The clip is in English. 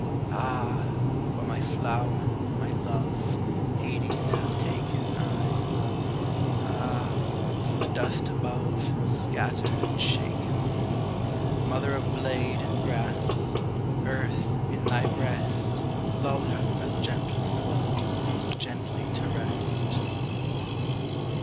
Ah, for my flower, my love, Hades hath taken I Ah, for the dust above Scattered and shaken! Mother of blade and grass, Earth, in thy breast Lull her that gentlest was Gently to rest!